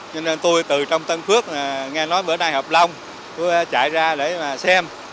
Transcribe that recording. cho nên tôi từ trong tân phước nghe nói bữa nay học long tôi chạy ra để mà xem